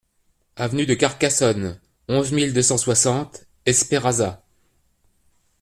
Avenue de Carcassonne, onze mille deux cent soixante Espéraza